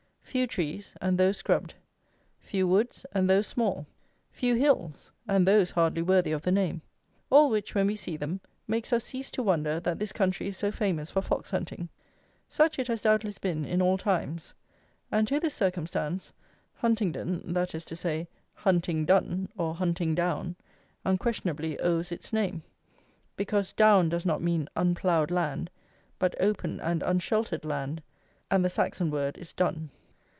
Few trees, and those scrubbed. Few woods, and those small. Few hills, and those hardly worthy of the name. All which, when we see them, make us cease to wonder, that this country is so famous for fox hunting. Such it has doubtless been in all times, and to this circumstance Huntingdon, that is to say, Huntingdun, or Huntingdown, unquestionably owes its name; because down does not mean unploughed land, but open and unsheltered land, and the Saxon word is dun.